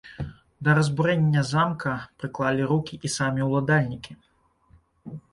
Да разбурэння замка прыклалі рукі і самі ўладальнікі.